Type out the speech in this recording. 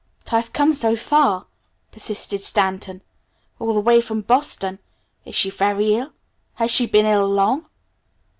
"But I've come so far," persisted Stanton. "All the way from Boston. Is she very ill? Has she been ill long?"